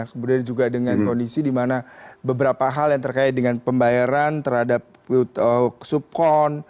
kemudian juga dengan kondisi di mana beberapa hal yang terkait dengan pembayaran terhadap subkon